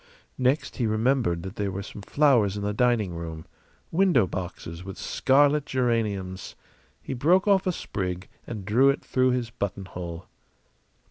Next, he remembered that there were some flowers in the dining room window boxes with scarlet geraniums. He broke off a sprig and drew it through his buttonhole.